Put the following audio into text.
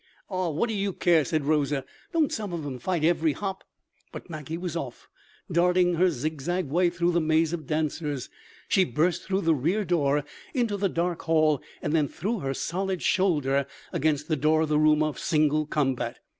"Ah, what do you care?" said Rosa. "Don't some of 'em fight every hop?" But Maggie was off, darting her zig zag way through the maze of dancers. She burst through the rear door into the dark hall and then threw her solid shoulder against the door of the room of single combat.